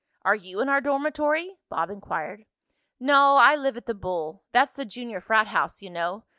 "Are you in our dormitory?" Bob inquired. "No, I live at the Bull that's the junior frat house you know.